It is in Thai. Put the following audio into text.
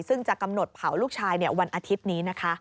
ซึ่งจะกำหนดเผาลูกชายวันอาทิตย์นี้นะคะ